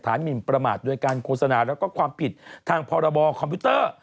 หมินประมาทโดยการโฆษณาแล้วก็ความผิดทางพรบคอมพิวเตอร์